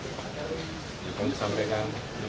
saya akan sampaikan